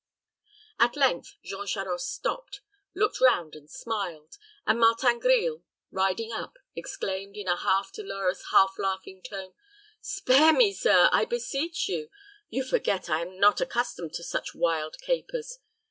At length, Jean Charost stopped, looked round and smiled, and Martin Grille, riding up, exclaimed, in a half dolorous half laughing tone, "Spare me, sir, I beseech you. You forget I am not accustomed to such wild capers.